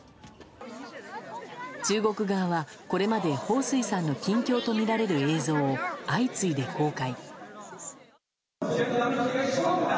中国側はこれまでホウ・スイさんの近況とみられる映像を相次いで公開。